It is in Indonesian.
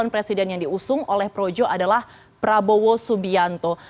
presiden yang diusung oleh projo adalah prabowo subianto